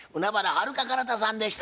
はるか・かなたさんでした。